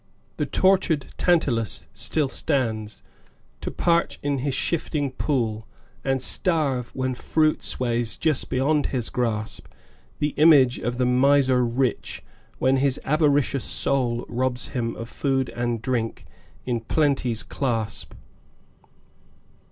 The tortured Tantalus still stands, to parch in his shifting pool, And starve, when fruit sways just beyond his grasp: The image of the miser rich, when his avaricious soul Robs him of food and drink, in Plenty's clasp.